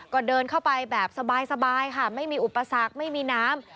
ก็เดินเข้าไปแบบสบายค่ะไม่มีอุปสรรคไม่มีน้ำ